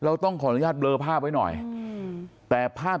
ต้องขออนุญาตเบลอภาพไว้หน่อยแต่ภาพ